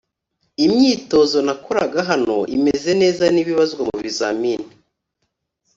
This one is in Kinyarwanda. imyitozo nakoraga hano imeze neza nibibazwa mu bizamini